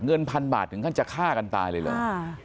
เงินพันบาทถึงก็จะฆ่ากันตายเลยหรืออ่า